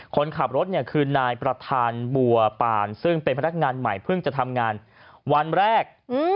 คนขับรถเนี่ยคือนายประธานบัวปานซึ่งเป็นพนักงานใหม่เพิ่งจะทำงานวันแรก